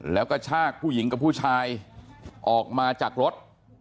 แล้วก็ชากผู้หญิงกับผู้ชายออกมาจากรถ